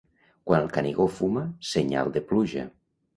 Quan el Canigó fuma, senyal de pluja.